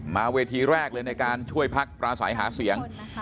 มาเวทีแรกเลยในการช่วยภักดิ์ปลาสายหาเสียง